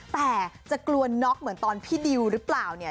แต่จะกลัวน็อกเหมือนตอนพี่ดิวหรือเปล่าเนี่ย